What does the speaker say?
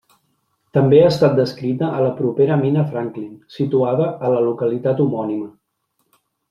També ha estat descrita a la propera mina Franklin, situada a la localitat homònima.